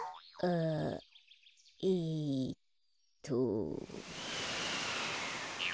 あえっと。